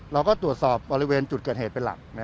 เราก็ตรวจสอบบริเวณจุดเกิดเหตุเป็นหลัก